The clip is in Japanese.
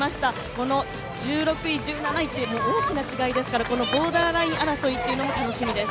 この１６位、１７位は大きな違いですからボーダーライン争いも楽しみです。